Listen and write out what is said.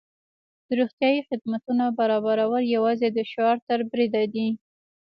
د روغتیايي خدمتونو برابرول یوازې د شعار تر بریده دي.